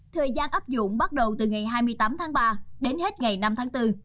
thời gian áp dụng bắt đầu từ ngày hai mươi tám tháng ba đến hết ngày năm tháng bốn